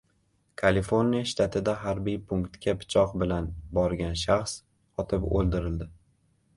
Kaliforniya shtatida harbiy punktga pichoq bilan borgan shaxs otib o‘ldirildi